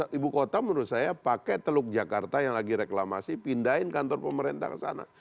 ibu kota menurut saya pakai teluk jakarta yang lagi reklamasi pindahin kantor pemerintah ke sana